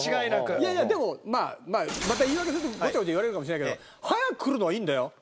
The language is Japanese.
いやいやでもまあまあまた言い訳するとごちゃごちゃ言われるかもしれないけど早く来るのはいいんだよ。